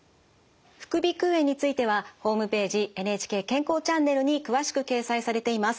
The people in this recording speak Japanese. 副鼻腔炎についてはホームページ「ＮＨＫ健康チャンネル」に詳しく掲載されています。